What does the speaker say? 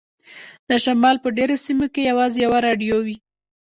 د شمال په ډیرو سیمو کې یوازې یوه راډیو وي